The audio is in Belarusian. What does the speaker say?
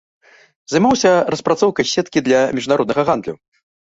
Займаўся распрацоўкай сеткі для міжнароднага гандлю.